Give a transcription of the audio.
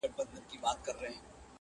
پرې اوښتي دي وختونه او قرنونه!.